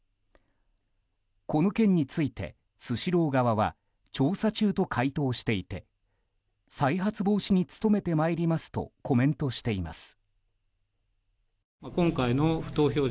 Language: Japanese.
この件についてスシロー側は調査中と回答していて再発防止に努めてまいりますとコメントしています。